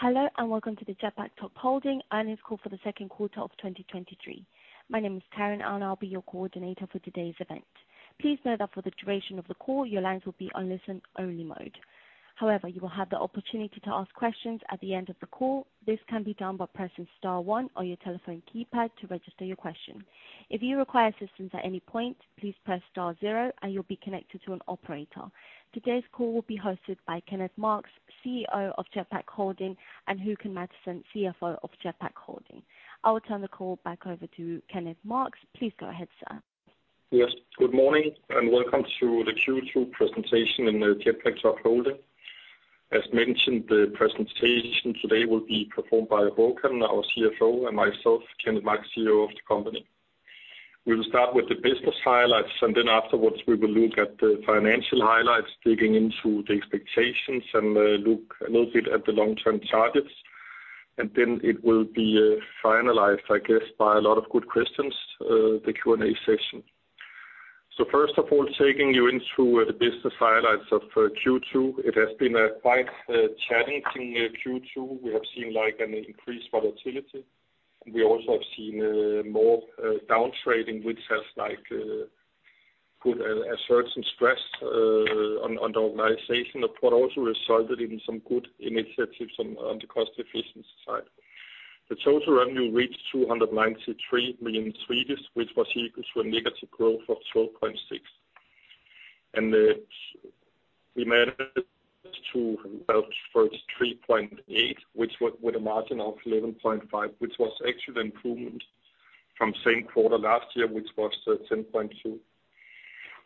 Hello, and welcome to the Jetpak Top Holding Earnings Call for the second quarter of 2023. My name is Karen, and I'll be your coordinator for today's event. Please note that for the duration of the call, your lines will be on listen-only mode. However, you will have the opportunity to ask questions at the end of the call. This can be done by pressing star one on your telephone keypad to register your question. If you require assistance at any point, please press star zero, and you'll be connected to an operator. Today's call will be hosted by Kenneth Marx, CEO of Jetpak Top Holding, and Håkan Mattisson, CFO of Jetpak Top Holding. I will turn the call back over to Kenneth Marx. Please go ahead, sir. Yes, good morning, and welcome to the Q2 presentation in the Jetpak Top Holding. As mentioned, the presentation today will be performed by Håkan, our CFO, and myself, Kenneth Marx, CEO of the company. We will start with the business highlights, and then afterwards, we will look at the financial highlights, digging into the expectations and look a bit at the long-term targets. And then it will be finalized, I guess, by a lot of good questions, the Q&A session. So first of all, taking you into the business highlights of Q2. It has been a quite challenging Q2. We have seen, like, an increased volatility. We also have seen more down trading, which has, like, put a certain stress on the organization, but what also resulted in some good initiatives on the cost efficiency side. The total revenue reached 293 million, which was equal to a negative growth of -12.6%. We managed to adjusted EBITDA 3.8 million, which was with a margin of 11.5%, which was actually the improvement from same quarter last year, which was 10.2%.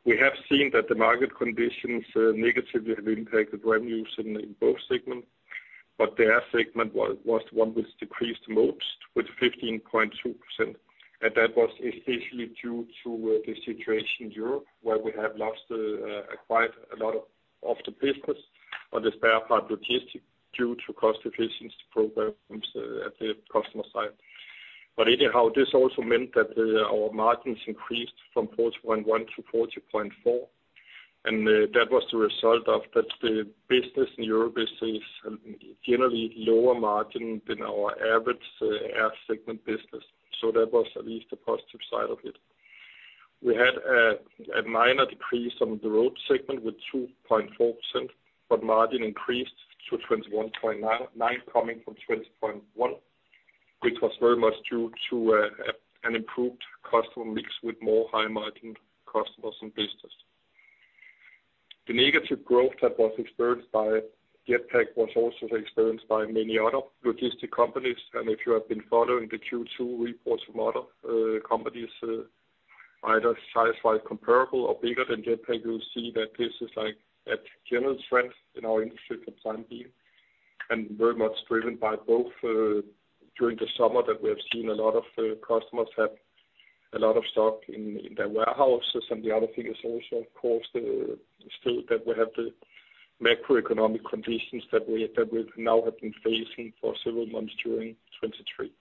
We have seen that the market conditions negatively have impacted revenues in both segments, but the air segment was one which decreased the most, with -15.2%, and that was essentially due to the situation in Europe, where we have lost quite a lot of the business on the spare parts logistics due to cost efficiency programs at the customer side. But anyhow, this also meant that our margins increased from 40.1 to 40.4, and that was the result of that the business in Europe is generally lower margin than our average air segment business. So that was at least the positive side of it. We had a minor decrease on the road segment with 2.4%, but margin increased to 21.99, coming from 20.1, which was very much due to an improved customer mix with more high-margin customers and business. The negative growth that was experienced by Jetpak was also experienced by many other logistics companies, and if you have been following the Q2 reports from other, companies, either size-wise comparable or bigger than Jetpak, you'll see that this is, like, a general trend in our industry for the time being, and very much driven by both, during the summer, that we have seen a lot of, customers have a lot of stock in, in their warehouses. And the other thing is also, of course, the, still that we have the macroeconomic conditions that we, that we now have been facing for several months during 2023.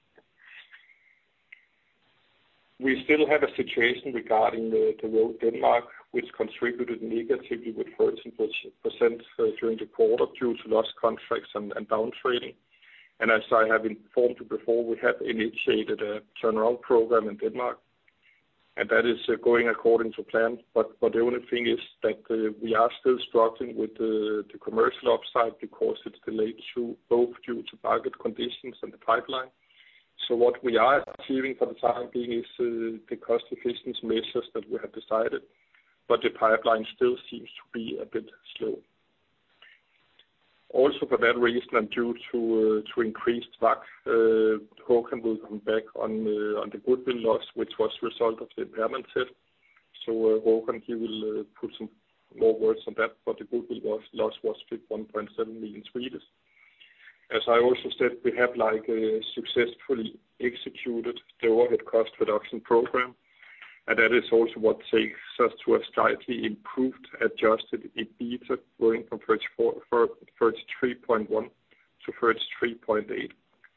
We still have a situation regarding the, the Road Denmark, which contributed negatively with 13%, during the quarter, due to lost contracts and, and down-trading. As I have informed you before, we have initiated a turnaround program in Denmark, and that is going according to plan. But the only thing is that, we are still struggling with the commercial upside because it's delayed through, both due to market conditions and the pipeline. So what we are achieving for the time being is, the cost efficiency measures that we have decided, but the pipeline still seems to be a bit slow. Also, for that reason, and due to increased tax, Håkan will come back on the goodwill loss, which was result of the impairment test. So, Håkan, he will put some more words on that, but the goodwill loss was 1.7 million. As I also said, we have, like, successfully executed the overhead cost reduction program, and that is also what takes us to a slightly improved, adjusted EBITDA, going from 33.1 to 33.8,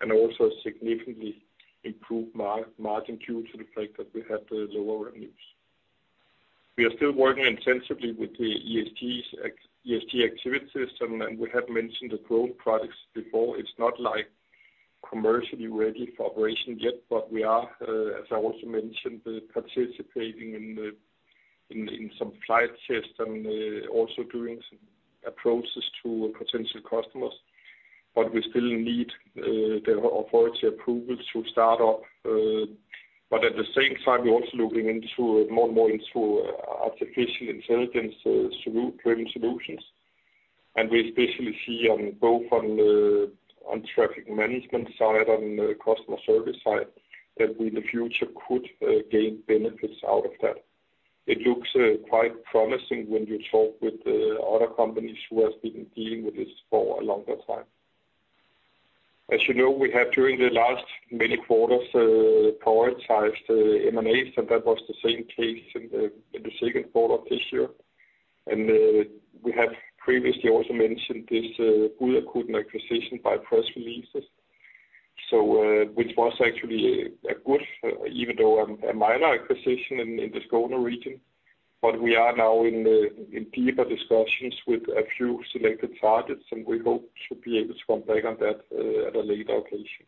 and also significantly improved margin due to the fact that we have the lower revenues. We are still working intensively with the ESG activities, and we have mentioned the growth products before. It's not, like, commercially ready for operation yet, but we are, as I also mentioned, participating in some flight tests and also doing some approaches to potential customers, but we still need the authority approval to start off. But at the same time, we're also looking into, more and more into, artificial intelligence driven solutions. We especially see, both on the traffic management side and customer service side, that we in the future could gain benefits out of that. It looks quite promising when you talk with other companies who have been dealing with this for a longer time. As you know, we have, during the last many quarters, prioritized M&As, and that was the same case in the second quarter of this year. We have previously also mentioned this Budakuten acquisition by press releases. So, which was actually a good, even though a minor acquisition in the Skåne region. But we are now in deeper discussions with a few selected targets, and we hope to be able to come back on that at a later occasion.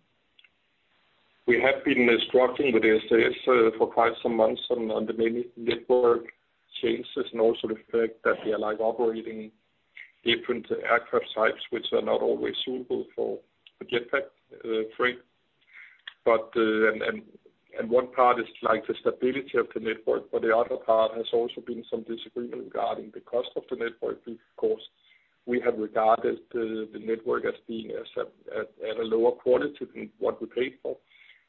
We have been struggling with this for quite some months, and on the many network changes, and also the fact that we are like operating different aircraft types, which are not always suitable for the Jetpak frame. But one part is like the stability of the network, but the other part has also been some disagreement regarding the cost of the network. Because we have regarded the network as being at a lower quality than what we paid for.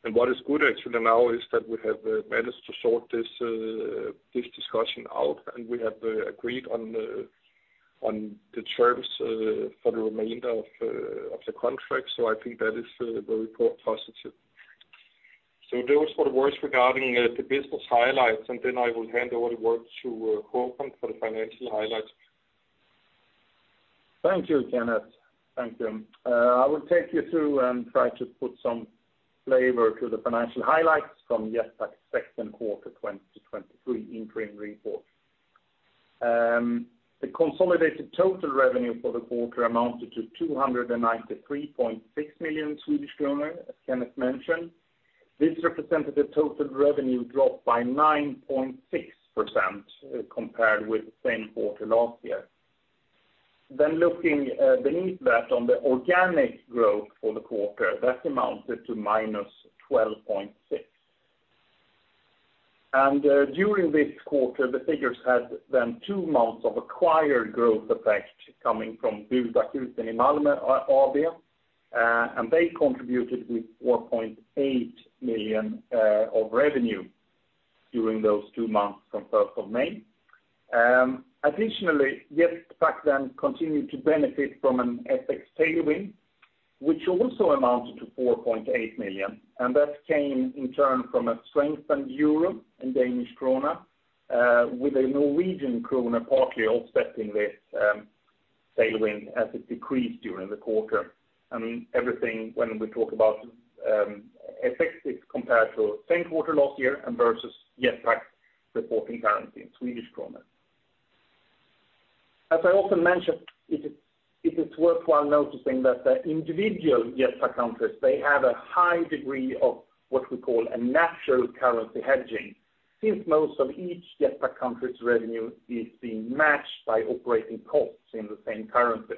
And what is good actually now is that we have managed to sort this discussion out, and we have agreed on the terms for the remainder of the contract. So I think that is very positive. Those were the words regarding the business highlights, and then I will hand over the words to Håkan for the financial highlights. Thank you, Kenneth. Thank you. I will take you through and try to put some flavor to the financial highlights from Jetpak second quarter 2023 interim report. The consolidated total revenue for the quarter amounted to 293.6 million Swedish kronor, as Kenneth mentioned. This represented a total revenue drop by 9.6%, compared with the same quarter last year. Looking beneath that, on the organic growth for the quarter, that amounted to -12.6%. And during this quarter, the figures had then two months of acquired growth effect coming from Budakuten in Malmö area, and they contributed with 4.8 million of revenue during those two months from first of May. Additionally, Jetpak then continued to benefit from an FX tailwind, which also amounted to 4.8 million, and that came in turn from a strengthened euro and Danish krone, with a Norwegian krone partly offsetting this tailwind as it decreased during the quarter. I mean, everything, when we talk about FX, is compared to same quarter last year and versus Jetpak reporting currency in Swedish krona. As I also mentioned, it is worthwhile noticing that the individual Jetpak countries, they have a high degree of what we call a natural currency hedging, since most of each Jetpak country's revenue is being matched by operating costs in the same currency.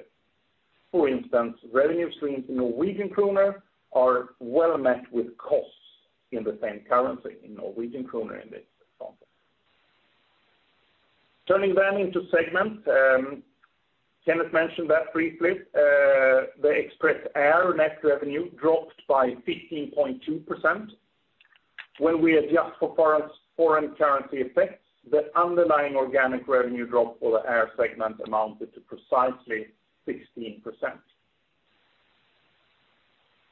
For instance, revenue streams in Norwegian krone are well met with costs in the same currency, in Norwegian krone, in this example. Turning then into segments, Kenneth mentioned that briefly, the Express Air net revenue dropped by 15.2%. When we adjust for foreign, foreign currency effects, the underlying organic revenue drop for the air segment amounted to precisely 16%.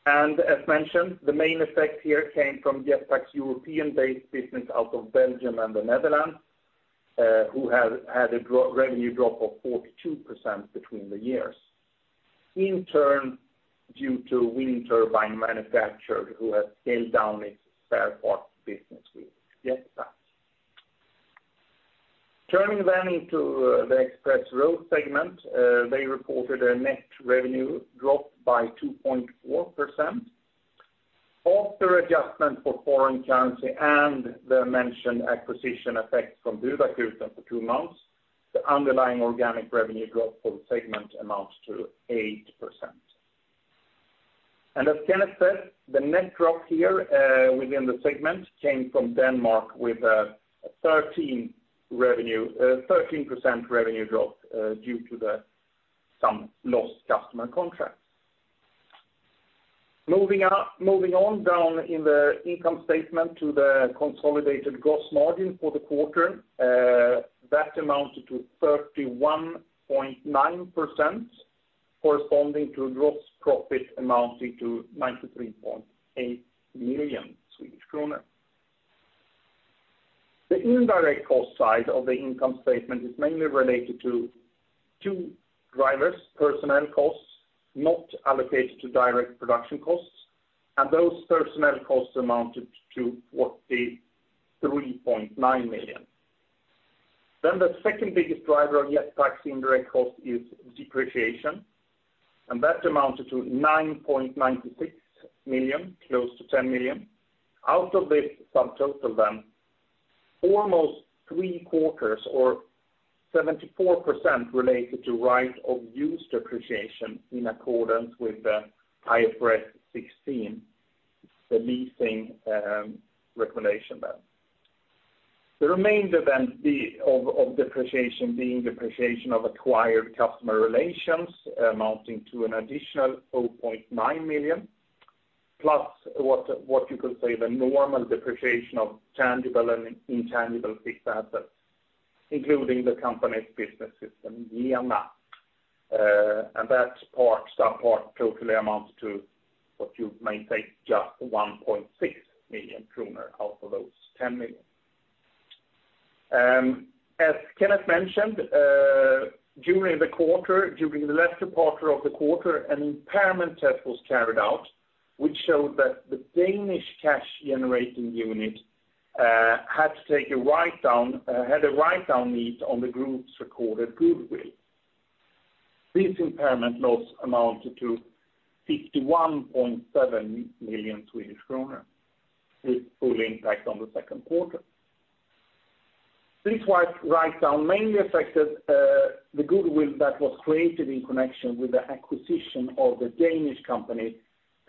As mentioned, the main effect here came from Jetpak's European-based business out of Belgium and the Netherlands, who have had a revenue drop of 42% between the years. In turn, due to wind turbine manufacturer, who has scaled down its spare parts business with Jetpak. Turning then into the Express Road segment, they reported a net revenue drop by 2.4%. After adjustment for foreign currency and the mentioned acquisition effect from Budakuten for two months, the underlying organic revenue drop for the segment amounts to 8%. As Kenneth said, the net drop here within the segment came from Denmark with 13% revenue drop due to some lost customer contracts. Moving on down in the income statement to the consolidated gross margin for the quarter, that amounted to 31.9%, corresponding to gross profit amounting to 93.8 million Swedish kronor. The indirect cost side of the income statement is mainly related to two drivers: personnel costs, not allocated to direct production costs, and those personnel costs amounted to what? 3.9 million. Then the second biggest driver of Jetpak's indirect cost is depreciation, and that amounted to 9.96 million, close to 10 million. Out of this subtotal, then, almost three-quarters, or 74%, related to right-of-use depreciation in accordance with the IFRS 16, the leasing recommendation then. The remainder then, of depreciation, being depreciation of acquired customer relations, amounting to an additional 4.9 million, plus what you could say, the normal depreciation of tangible and intangible fixed assets, including the company's business system, JENA. And that part totally amounts to what you may take, just 1.6 million kronor out of those 10 million. As Kenneth mentioned, during the latter part of the quarter, an impairment test was carried out, which showed that the Danish cash-generating unit had to take a write down, had a write down need on the group's recorded goodwill. This impairment loss amounted to 61.7 million Swedish kronor, with full impact on the second quarter. This write down mainly affected the goodwill that was created in connection with the acquisition of the Danish company,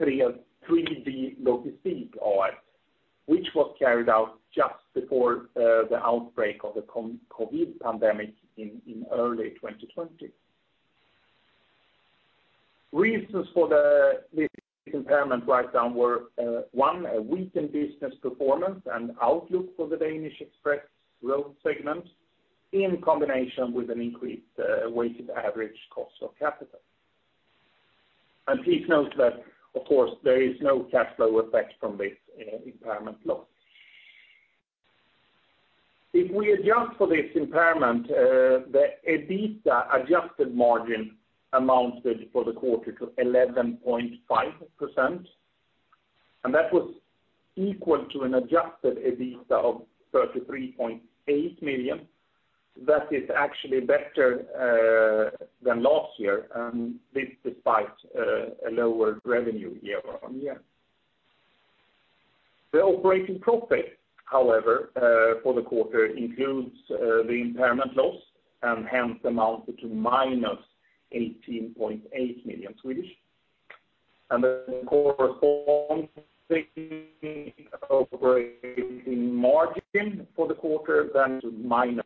3D Logistik A/S, which was carried out just before the outbreak of the COVID pandemic in early 2020. Reasons for this impairment write down were one, a weakened business performance and outlook for the Danish Express Road segment, in combination with an increased weighted average cost of capital. Please note that, of course, there is no cash flow effect from this impairment loss. If we adjust for this impairment, the EBITDA adjusted margin amounted for the quarter to 11.5%, and that was equal to an adjusted EBITDA of 33.8 million. That is actually better than last year, this despite a lower revenue year-on-year. The operating profit, however, for the quarter includes the impairment loss and hence amounted to -18.8 million. The corresponding operating margin for the quarter then to -0.4%.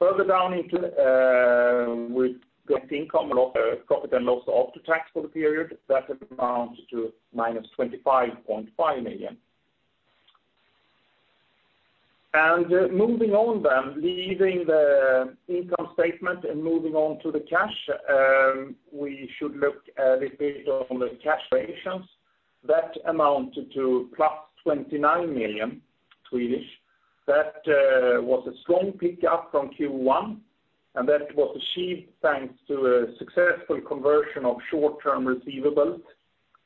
Further down into with net income, profit and loss after tax for the period, that amounts to -25.5 million. Moving on then, leaving the income statement and moving on to the cash, we should look a little bit on the cash variations. That amounted to +29 million. That was a strong pickup from Q1, and that was achieved thanks to a successful conversion of short-term receivables,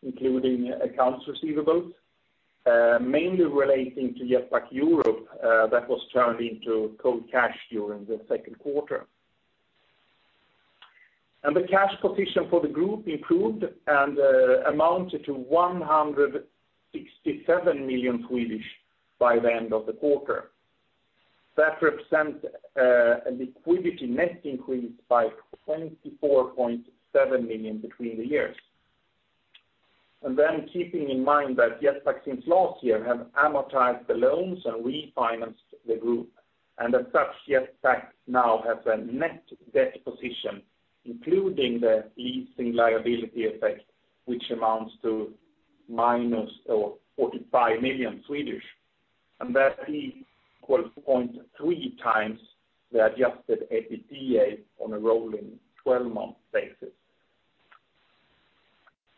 including accounts receivables, mainly relating to Jetpak Europe, that was turned into cold cash during the second quarter. The cash position for the group improved and amounted to 167 million by the end of the quarter. That represents a liquidity net increase by 24.7 million between the years. Then keeping in mind that Jetpak since last year have amortized the loans and refinanced the group, and as such, Jetpak now has a net debt position, including the leasing liability effect, which amounts to minus 45 million SEK, and that is equal to 0.3x the adjusted EBITDA on a rolling twelve-month basis.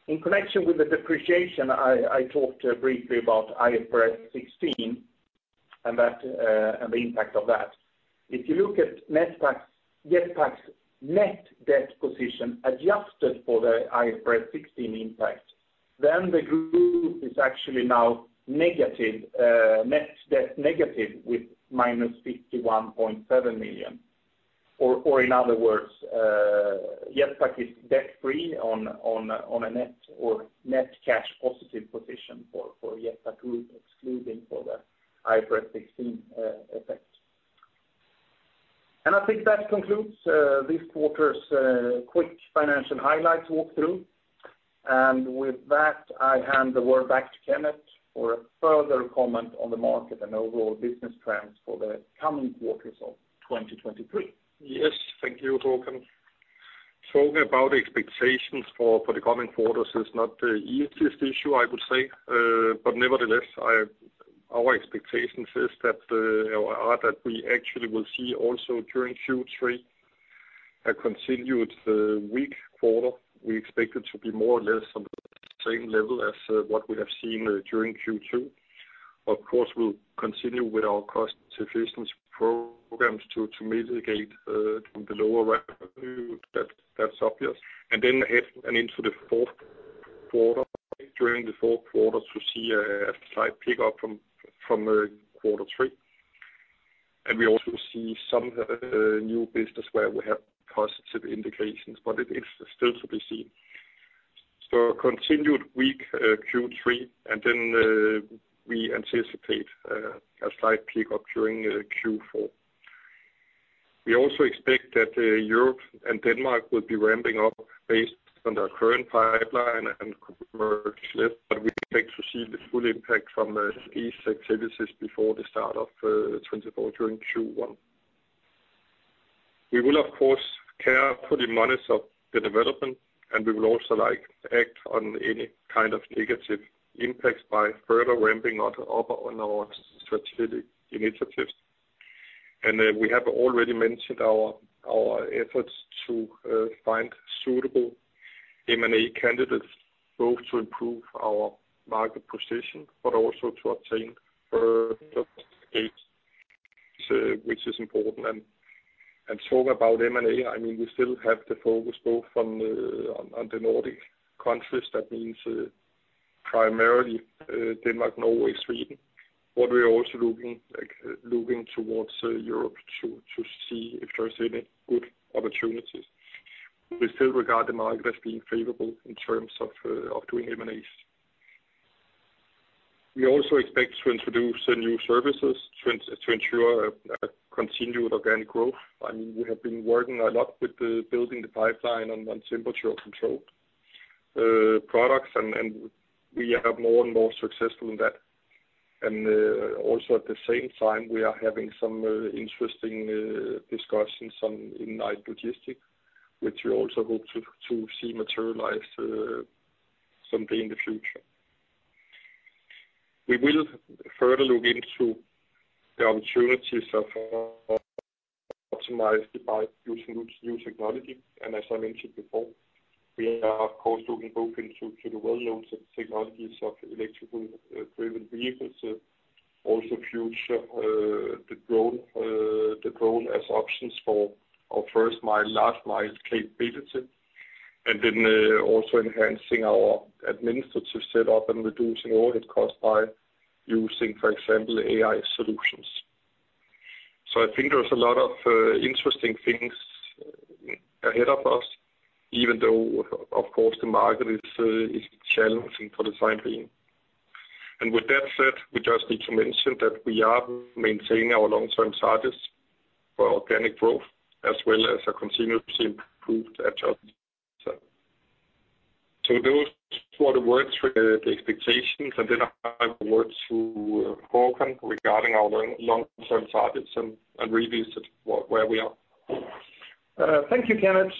In connection with the depreciation, I talked briefly about IFRS 16 and that and the impact of that. If you look at Jetpak's net debt position adjusted for the IFRS 16 impact, then the group is actually now negative net debt negative with minus 51.7 million. Or, in other words, Jetpak is debt-free on a net or net cash positive position for Jetpak Group, excluding the IFRS 16 effect. And I think that concludes this quarter's quick financial highlights walk through. And with that, I hand the word back to Kenneth for a further comment on the market and overall business trends for the coming quarters of 2023. Yes. Thank you, Håkan. Talking about expectations for the coming quarters is not the easiest issue, I would say. But nevertheless, our expectations is that, or are that we actually will see also during Q3, a continued, weak quarter. We expect it to be more or less on the same level as, what we have seen, during Q2. Of course, we'll continue with our cost efficiency programs to mitigate, from the lower revenue. That's, that's obvious. And then ahead and into the fourth quarter, during the fourth quarter, to see a slight pickup from, quarter three. And we also see some new business where we have positive indications, but it is still to be seen. So a continued weak, Q3, and then, we anticipate, a slight pickup during, Q4. We also expect that, Europe and Denmark will be ramping up based on their current pipeline and commercial, but we expect to see the full impact from, these activities before the start of, 2024 during Q1. We will, of course, carefully monitor the development, and we will also like act on any kind of negative impacts by further ramping up on our strategic initiatives. We have already mentioned our efforts to, find suitable M&A candidates, both to improve our market position, but also to obtain, which is important. And talking about M&A, I mean, we still have the focus both on the, on the Nordic countries. That means, primarily, Denmark, Norway, Sweden. But we're also looking, like, towards, Europe to, see if there's any good opportunities. We still regard the market as being favorable in terms of doing M&As. We also expect to introduce new services to ensure a continued organic growth. I mean, we have been working a lot with building the pipeline on temperature controlled products, and we are more and more successful in that. And also at the same time, we are having some interesting discussions on night logistics, which we also hope to see materialize someday in the future. We will further look into the opportunities of optimized by using new technology. And as I mentioned before, we are of course open to the well-known technologies of electrically driven vehicles. Also future the drone as options for our first mile, last mile capability. And then also enhancing our administrative setup and reducing overhead costs by using, for example, AI solutions. So I think there's a lot of interesting things ahead of us, even though, of course, the market is challenging for the time being. And with that said, we just need to mention that we are maintaining our long-term targets for organic growth, as well as a continuously improved adjustment. So, so those were the words, the expectations, and then I will hand over to Håkan regarding our long-term targets and reviews of where we are. Thank you, Kenneth.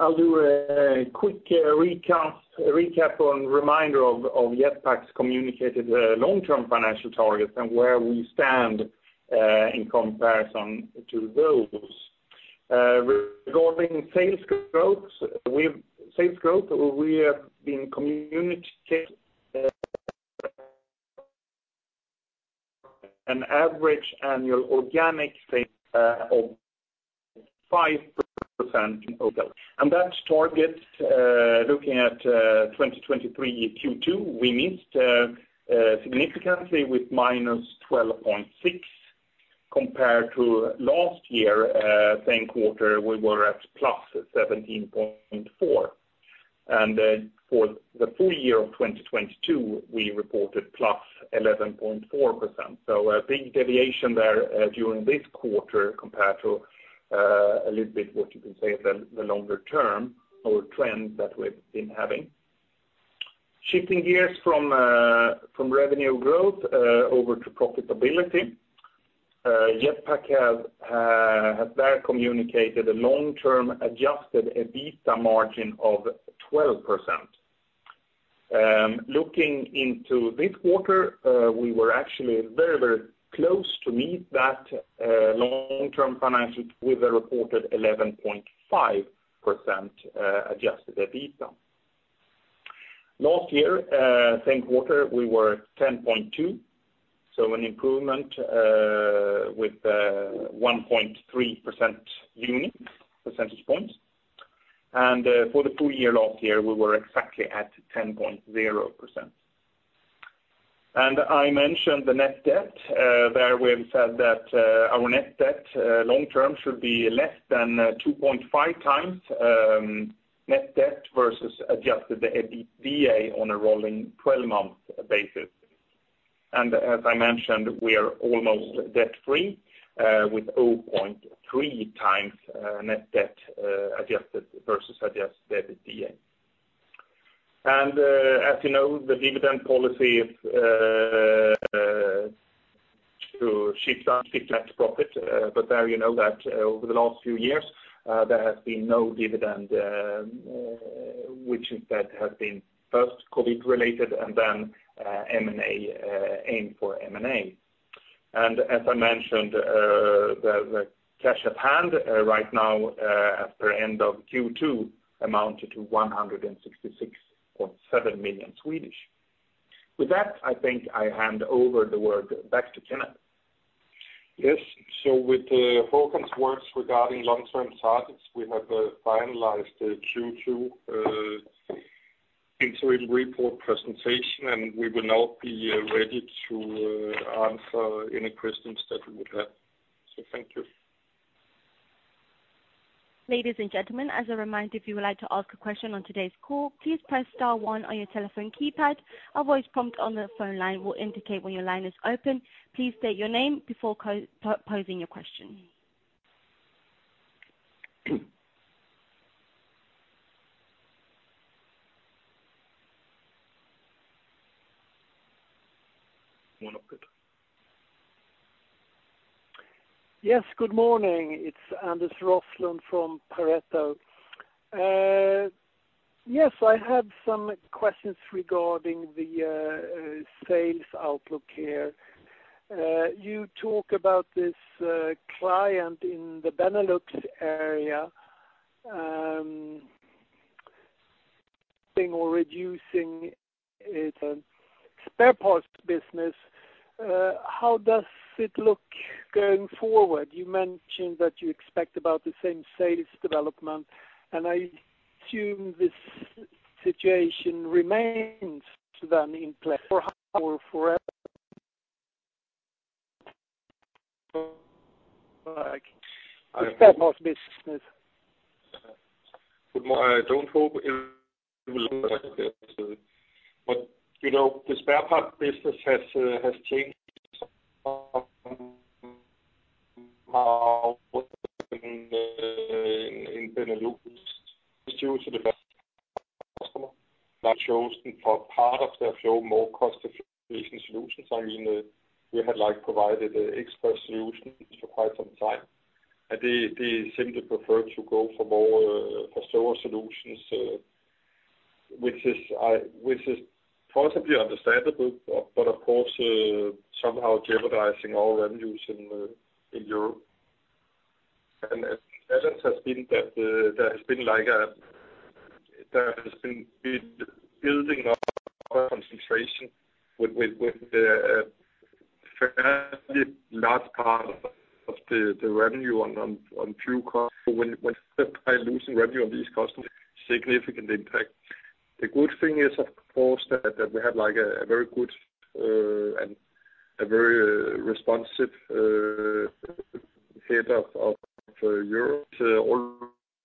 I'll do a quick recap on reminder of Jetpak's communicated long-term financial targets and where we stand in comparison to those. Regarding sales growth, we have been communicating an average annual organic sales of 5% overall. And that target, looking at 2023 Q2, we missed significantly with -12.6%, compared to last year same quarter, we were at +17.4%. And, for the full year of 2022, we reported +11.4%. So a big deviation there during this quarter compared to a little bit what you can say is the longer term or trend that we've been having. Shifting gears from revenue growth over to profitability, Jetpak has communicated a long-term adjusted EBITDA margin of 12%. Looking into this quarter, we were actually very, very close to meet that long-term financial with a reported 11.5% adjusted EBITDA. Last year same quarter, we were 10.2%, so an improvement with 1.3 percentage points. For the full year last year, we were exactly at 10.0%. I mentioned the net debt. There we have said that our net debt long-term should be less than 2.5x net debt versus adjusted EBITDA on a rolling twelve-month basis. As I mentioned, we are almost debt free, with 0.3x net debt adjusted versus adjusted EBITDA. And, as you know, the dividend policy to distribute our net profit, but as you know that over the last few years, there has been no dividend, which instead has been first COVID related and then, M&A, aim for M&A. And as I mentioned, the cash at hand right now, at the end of Q2, amounted to 166.7 million. With that, I think I hand over the word back to Kenneth. Yes. So with Håkan's words regarding long-term targets, we have finalized the Q2 interim report presentation, and we will now be ready to answer any questions that you would have. So thank you. Ladies and gentlemen, as a reminder, if you would like to ask a question on today's call, please press star one on your telephone keypad. A voice prompt on the phone line will indicate when your line is open. Please state your name before composing your question. Well, good. Yes, good morning. It's Anders Roslund from Pareto. Yes, I had some questions regarding the sales outlook here. You talk about this client in the Benelux area stopping or reducing its spare parts business. How does it look going forward? You mentioned that you expect about the same sales development, and I assume this situation remains then in place for forever? Like, the spare parts business. But I don't hope it will, but, you know, the spare parts business has changed in Benelux. Due to the customer that's chosen for part of their flow, more cost-efficient solutions. I mean, we had, like, provided express solutions for quite some time, and they simply prefer to go for more slower solutions, which is possibly understandable, but of course somehow jeopardizing our revenues in Europe. And the challenge has been that there has been like a building up concentration with a fairly large part of the revenue on few customers. So when by losing revenue on these customers, significant impact. The good thing is, of course, that we have, like, a very good and a very responsive head of Europe.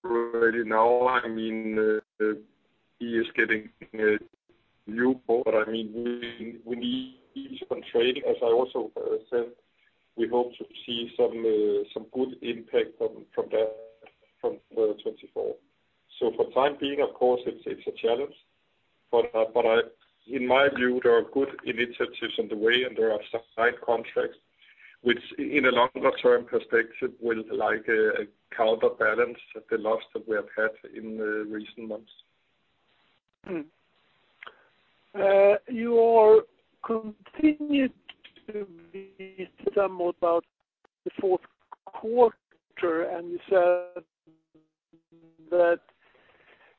Already now, I mean, he is getting a new board. I mean, we need on trade, as I also said, we hope to see some good impact from that, from 2024. So for the time being, of course, it's a challenge, but in my view, there are good initiatives on the way, and there are some side contracts which in the longer term perspective, will like counterbalance the loss that we have had in the recent months. We're continuing to be somewhat cautious about the fourth quarter, and you said that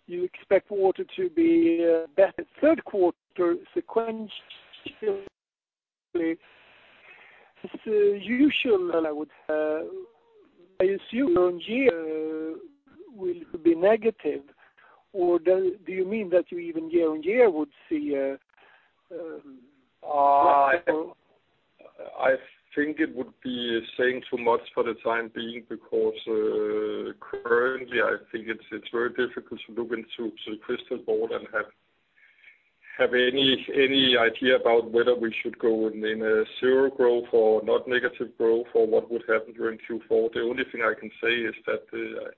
you expect it to be better than the third quarter sequentially. So usually, I would assume year-on-year will be negative, or do you mean that you even year-on-year would see? I think it would be saying too much for the time being, because currently I think it's very difficult to look into the crystal ball and have any idea about whether we should go in a zero growth or not negative growth or what would happen during Q4. The only thing I can say is that I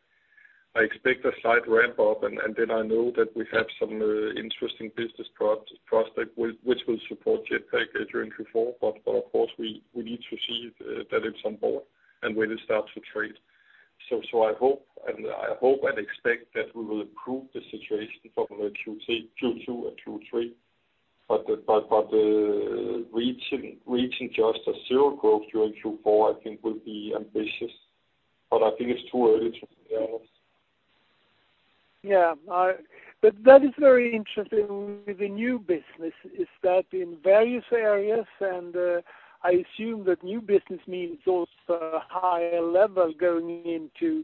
expect a slight ramp up, and then I know that we have some interesting business prospect which will support Jetpak during Q4. But of course, we need to see that it's on board and when it starts to trade. So I hope and expect that we will improve the situation from Q2 to Q3. But reaching just a zero growth during Q4, I think, will be ambitious, but I think it's too early to tell. Yeah. But that is very interesting with the new business, is that in various areas, and I assume that new business means also a higher level going into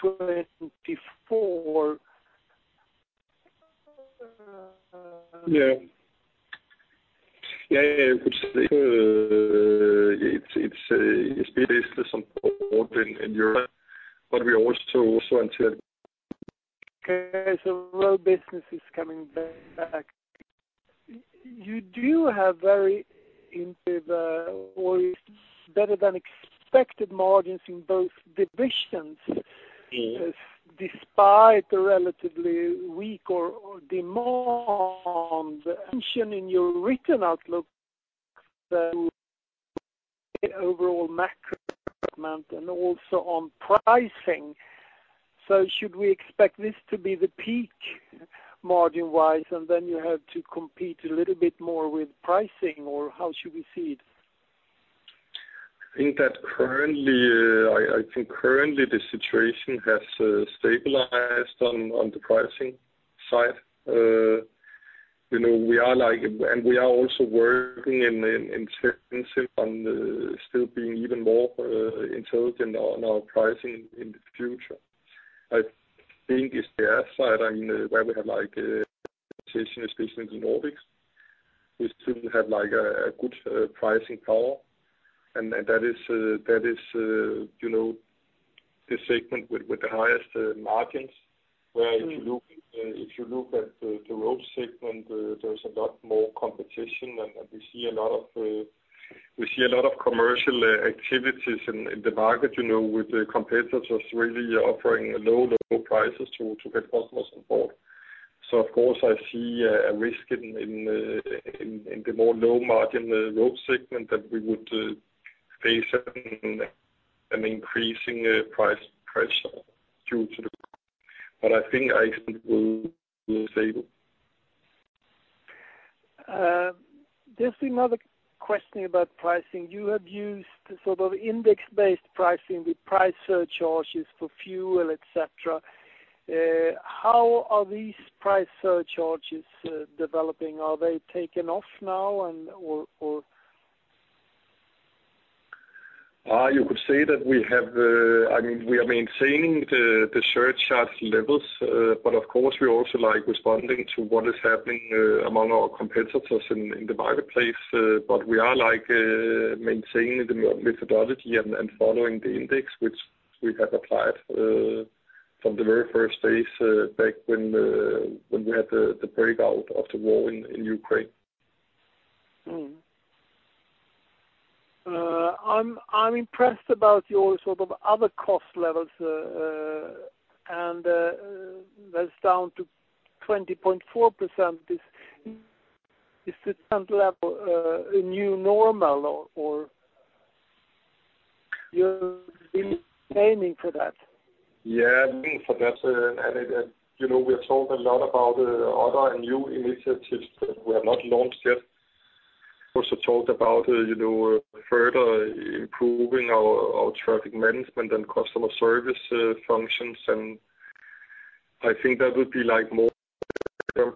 2024. Yeah. Yeah, yeah, it's business support in Europe, but we also into it. Okay, so road business is coming back. You do have very good, or better than expected margins in both divisions. Yes. Despite the relatively weaker demand mention in your written outlook, the overall macro amount and also on pricing. So should we expect this to be the peak margin-wise, and then you have to compete a little bit more with pricing, or how should we see it? I think that currently, I think currently the situation has stabilized on the pricing side. You know, we are like, and we are also working intensively on still being even more intelligent on our pricing in the future. I think it's the outside, I mean, where we have, like, especially in the Nordics, we still have, like, a good pricing power, and that is, you know, the segment with the highest margins. Where if you look, if you look at the road segment, there's a lot more competition, and we see a lot of commercial activities in the market, you know, with the competitors really offering low prices to get customers on board. So of course, I see a risk in the more low margin road segment that we would face an increasing price pressure due to the, but I think I will be able. Just another question about pricing. You have used sort of index-based pricing with price surcharges for fuel, et cetera. How are these price surcharges developing? Are they taken off now, or? You could say that we have, I mean, we are maintaining the surcharge levels. But of course, we also like responding to what is happening among our competitors in the marketplace. But we are like maintaining the methodology and following the index, which we have applied from the very first phase back when we had the breakout of the war in Ukraine. I'm impressed about your sort of other cost levels, and that's down to 20.4%. Is this current level a new normal or you're aiming for that? Yeah, aiming for that, and, you know, we have talked a lot about other new initiatives that we have not launched yet. Also talked about, you know, further improving our traffic management and customer service functions. And I think that would be like more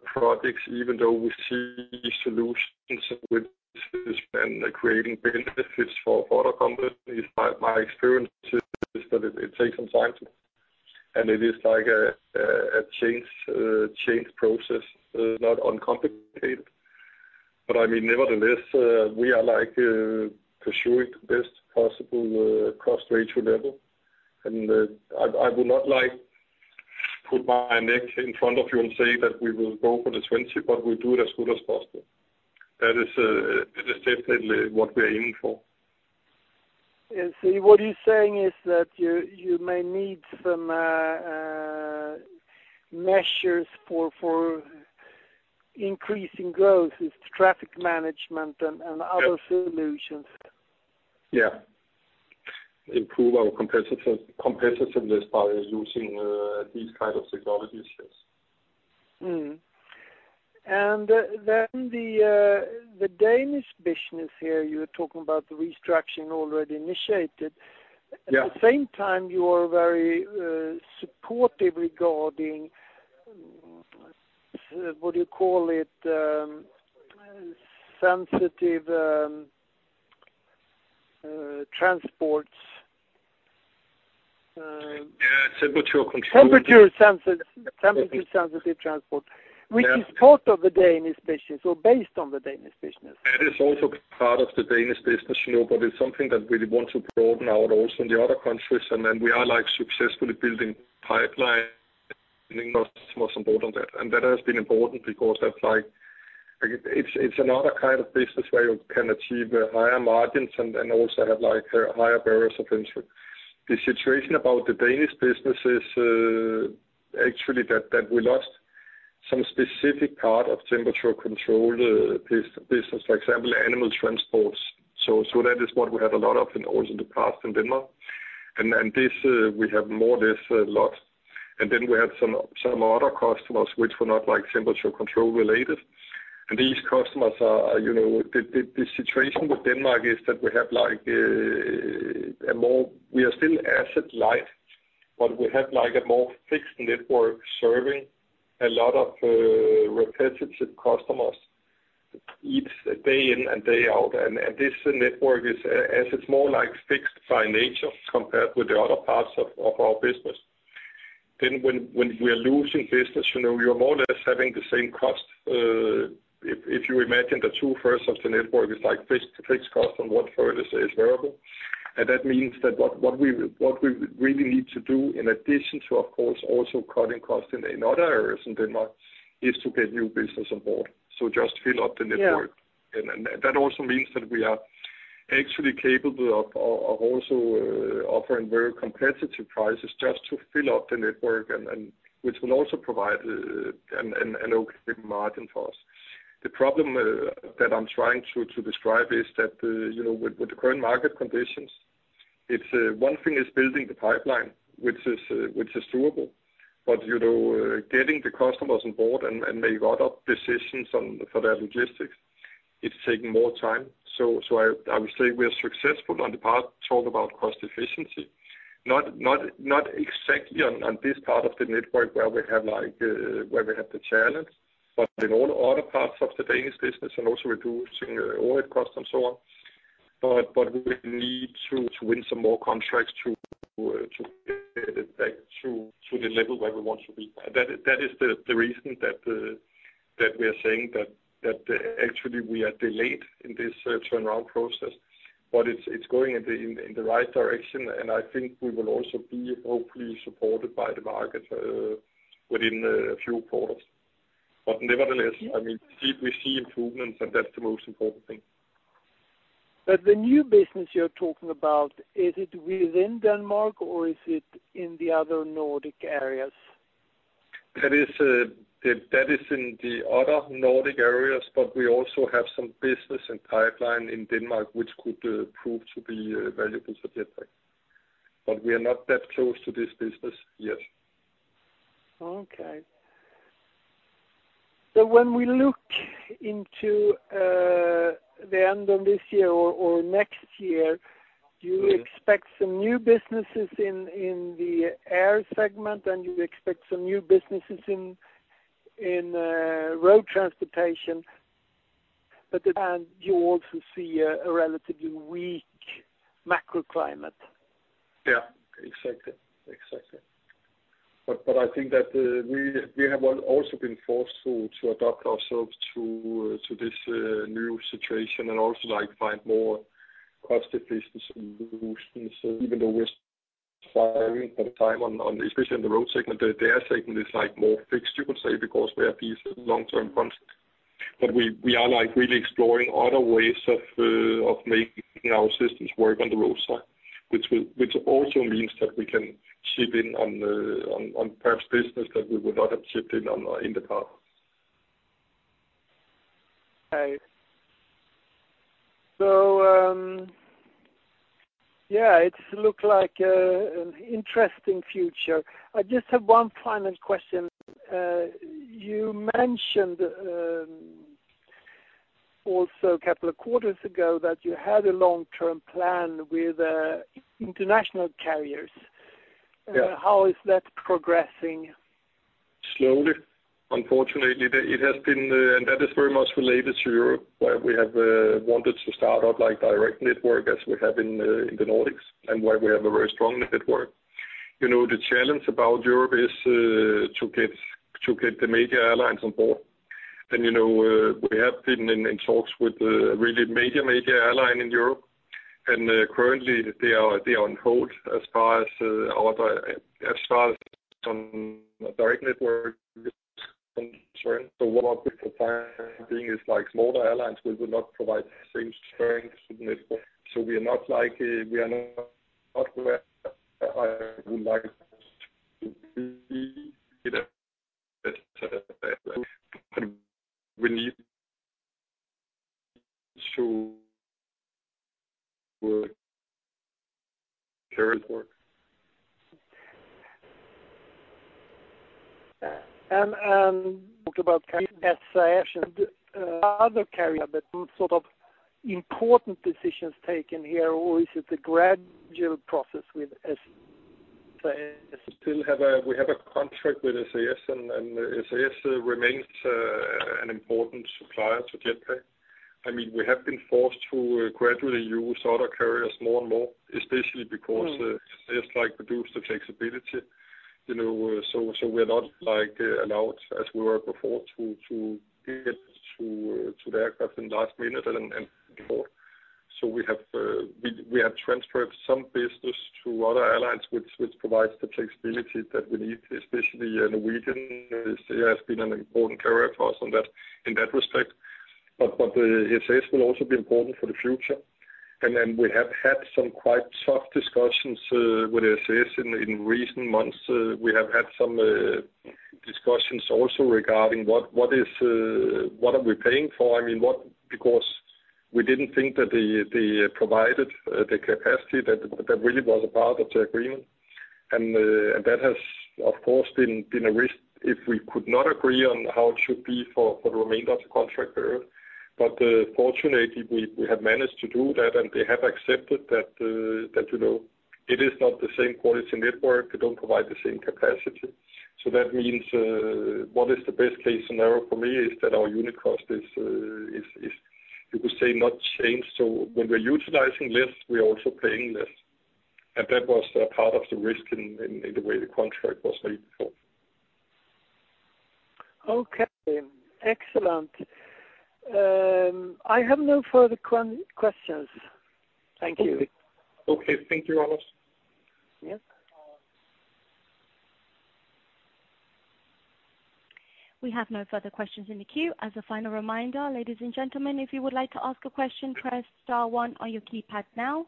projects, even though we see solutions which has been creating benefits for other companies. My experience is that it takes some time, and it is like a change process, not uncomplicated. But I mean, nevertheless, we are like pursuing the best possible cost ratio level. And I would not like put my neck in front of you and say that we will go for the 20%, but we do it as good as possible. That is definitely what we're aiming for. So what you're saying is that you may need some measures for increasing growth, is traffic management and other solutions? Yeah. Improve our competitiveness by using these kind of technologies, yes. Mm. And then the, the Danish business here, you were talking about the restructuring already initiated. Yeah. At the same time, you are very supportive regarding what do you call it, sensitive transports... Temperature control. Temperature sensitive, temperature sensitive transport. Yeah. Which is part of the Danish business, or based on the Danish business. That is also part of the Danish business, you know, but it's something that we want to broaden out also in the other countries. And then we are like successfully building pipeline, most important on that. And that has been important because that's like, it's another kind of business where you can achieve higher margins and also have, like, higher barriers of entry. The situation about the Danish business is actually that we lost some specific part of temperature control business, for example, animal transports. So that is what we had a lot of in, also in the past in Denmark. And this we have more or less lost. And then we had some other customers which were not, like, temperature control related. And these customers are, you know, the situation with Denmark is that we have like, a more. We are still asset light, but we have like a more fixed network serving a lot of, repetitive customers, each day in and day out. And this network is asset more like fixed by nature compared with the other parts of our business. Then when we are losing business, you know, you're more or less having the same cost. If you imagine the two-thirds of the network is like fixed cost, and one-third is variable. And that means that what we really need to do, in addition to, of course, also cutting costs in other areas in Denmark, is to get new business on board. So just fill up the network. Yeah. That also means that we are actually capable of also offering very competitive prices just to fill up the network and which will also provide an okay margin for us. The problem that I'm trying to describe is that, you know, with the current market conditions, it's one thing is building the pipeline, which is doable. But, you know, getting the customers on board and make other decisions on for their logistics, it's taking more time. I would say we are successful on the part talk about cost efficiency, not exactly on this part of the network where we have like the challenge, but in all the other parts of the Danish business and also reducing overhead costs and so on. But we need to win some more contracts to the level where we want to be. That is the reason that we are saying that actually we are delayed in this turnaround process, but it's going in the right direction, and I think we will also be hopefully supported by the market within a few quarters. But nevertheless, I mean, we see improvements, and that's the most important thing. But the new business you're talking about, is it within Denmark or is it in the other Nordic areas? That is, that is in the other Nordic areas, but we also have some business and pipeline in Denmark, which could prove to be valuable for Jetpak. But we are not that close to this business yet. Okay. So when we look into the end of this year or next year, do you expect some new businesses in the air segment, and you expect some new businesses in road transportation, and you also see a relatively weak macro climate? Yeah, exactly. Exactly. But I think that we have also been forced to adapt ourselves to this new situation and also, like, find more cost-efficient solutions, even though we're spending time on especially in the road segment, the air segment is like more fixed, you could say, because we have these long-term contracts. But we are like really exploring other ways of making our systems work on the road side, which also means that we can ship in on the perhaps business that we would not have shipped in on in the past. Okay. So, yeah, it's look like an interesting future. I just have one final question. You mentioned, also a couple of quarters ago that you had a long-term plan with international carriers. Yeah. How is that progressing? Slowly. Unfortunately, it has been, and that is very much related to Europe, where we have wanted to start up like direct network as we have in the Nordics, and where we have a very strong network. You know, the challenge about Europe is to get the major airlines on board. And, you know, we have been in talks with really major airline in Europe, and currently they are on hold as far as our direct network concerned. So what we're finding is like smaller airlines will not provide the same strength to the network. So we are not like, we are not where I would like to be, but we need to work. About SAS and other carrier, but sort of important decisions taken here, or is it a gradual process with SAS? We have a contract with SAS, and SAS remains an important supplier to Jetpak. I mean, we have been forced to gradually use other carriers more and more, especially because SAS, like, reduce the flexibility, you know, so we're not, like, allowed as we were before, to get to the aircraft in last minute and before. So we have transferred some business to other airlines, which provides the flexibility that we need, especially in the weekend. SAS has been an important carrier for us on that, in that respect. But the SAS will also be important for the future. And then we have had some quite tough discussions with SAS in recent months. We have had some discussions also regarding what we are paying for. I mean, because we didn't think that the provided capacity that really was a part of the agreement. And that has, of course, been a risk if we could not agree on how it should be for the remainder of the contract period. But fortunately, we have managed to do that, and they have accepted that, you know, it is not the same quality network. They don't provide the same capacity. So that means, the best case scenario for me is that our unit cost is, you could say, not changed. So when we're utilizing less, we are also paying less, and that was a part of the risk in the way the contract was made before. Okay, excellent. I have no further questions. Thank you. Okay. Thank you, Anders. Yep. We have no further questions in the queue. As a final reminder, ladies and gentlemen, if you would like to ask a question, press star one on your keypad now.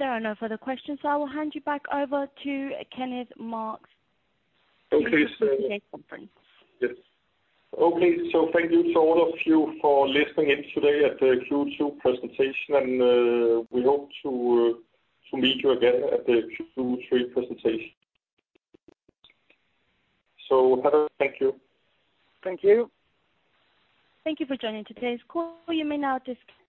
There are no further questions, so I will hand you back over to Kenneth Marx. Okay. From the CA conference. Yes. Okay, so thank you to all of you for listening in today at the Q2 presentation, and, we hope to meet you again at the Q3 presentation. So have a... Thank you. Thank you. Thank you for joining today's call. You may now disconnect.